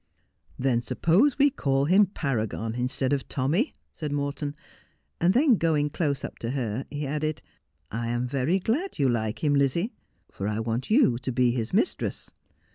' Then suppose we call him Paragon, instead of Tommy,' said Morton ; and then going close up to her, he added, ' I am very glad you like him, Lizzie, for I want you to be his mistress.